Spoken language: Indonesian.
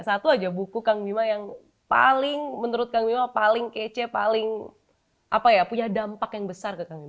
satu aja buku kang mima yang paling menurut kang mima paling kece paling apa ya punya dampak yang besar ke kang mima